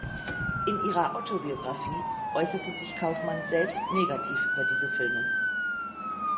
In ihrer Autobiografie äußerte sich Kaufmann selbst negativ über diese Filme.